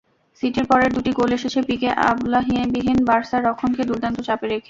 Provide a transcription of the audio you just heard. সিটির পরের দুটি গোল এসেছে পিকে-আলবাবিহীন বার্সা রক্ষণকে দুর্দান্ত চাপে রেখে।